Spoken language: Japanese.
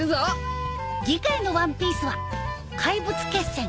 次回の『ワンピース』は「怪物決戦！